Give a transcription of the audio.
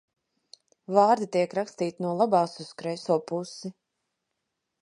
Vārdi tiek rakstīti no labās uz kreiso pusi.